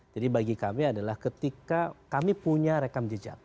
jadi bagi kami adalah ketika kami punya rekam jejak